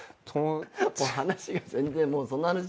話が全然もうその話。